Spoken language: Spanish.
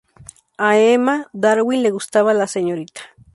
A Emma Darwin le gustaba: "La Srta.